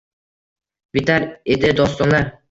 Bitar edi dostonlar.